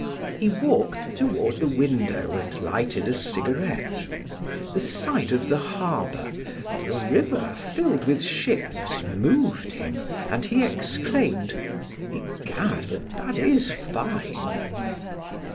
He walked toward the window and lighted a cigarette. The sight of the harbor, of the river filled with ships moved him and he exclaimed: "Egad, but that is fine!"